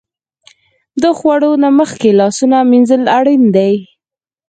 د خوړو نه مخکې لاسونه مینځل اړین دي.